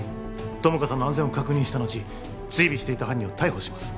友果さんの安全を確認した後追尾していた犯人を逮捕します